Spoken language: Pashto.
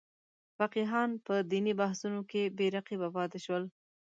فقیهان په دیني بحثونو کې بې رقیبه پاتې شول.